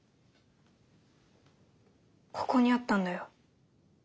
ここにあったんだよ。